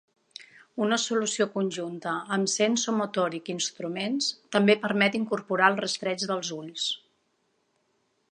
Una solució conjunta amb SensoMotoric Instruments també permet incorporar el rastreig dels ulls.